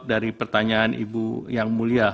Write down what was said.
dari pertanyaan ibu yang mulia